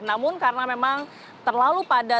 namun karena memang terlalu padat